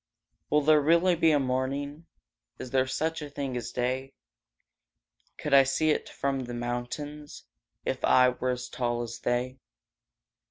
Will there really be a morning? Is there such a thing as day? Could I see it from the mountains If I were as tall as they?